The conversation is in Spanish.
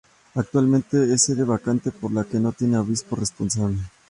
Actualmente es sede vacante, por lo que no tiene obispo responsable.